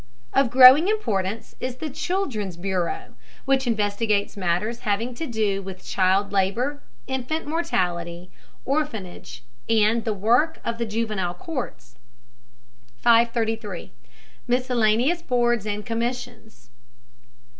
Of growing importance is the children's bureau, which investigates matters having to do with child labor, infant mortality, orphanage, and the work of the juvenile courts. 533. MISCELLANEOUS BOARDS AND COMMISSIONS.